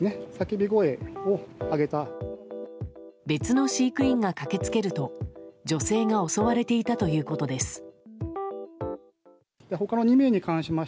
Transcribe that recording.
別の飼育員が駆け付けると女性が襲われていたということです。